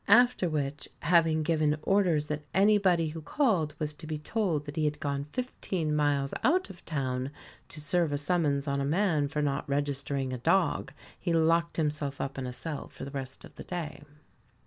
After which, having given orders that anybody who called was to be told that he had gone fifteen miles out of town to serve a summons on a man for not registering a dog, he locked himself up in a cell for the rest of the day.